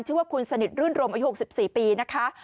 ชื่อว่าคุณสนิทรื่นรมอายุ๖๔ปีนะคะ